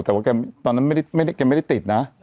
แต่ว่าแกตอนนั้นแกไม่ได้ติดนะ